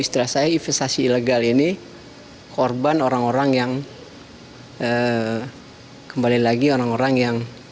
istilah saya investasi ilegal ini korban orang orang yang kembali lagi orang orang yang